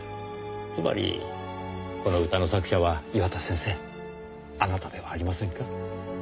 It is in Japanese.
つまりこの歌の作者は岩田先生あなたではありませんか？